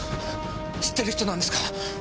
知ってる人なんですか？